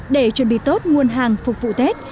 để chuẩn bị tốt nguồn hàng phục vụ tết